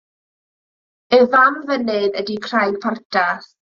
Y fam fynydd ydy Craig Portas.